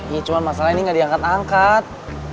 iya cuma masalah ini gak diangkat angkat